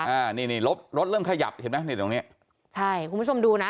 อ่านี่นี่รถรถเริ่มขยับเห็นไหมนี่ตรงเนี้ยใช่คุณผู้ชมดูนะ